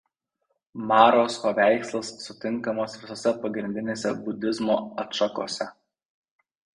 Maros paveikslas sutinkamas visose pagrindinėse budizmo atšakose.